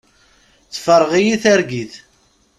Tefreɣ-iyi targit.